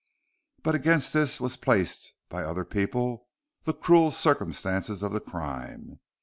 But against this was placed by other people the cruel circumstances of the crime.